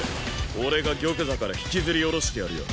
俺が玉座から引きずり降ろしてやるよ。